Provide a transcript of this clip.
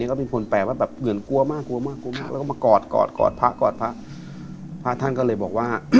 กลัวมาก